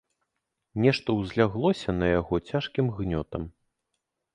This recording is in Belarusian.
Нешта ўзляглося на яго цяжкім гнётам.